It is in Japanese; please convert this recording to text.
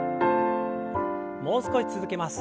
もう少し続けます。